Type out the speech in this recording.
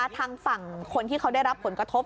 ทางคนที่เขารับผลกระทบ